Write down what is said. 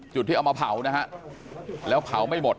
จุดที่เอามาเผานะครับแล้วเผาไม่หมด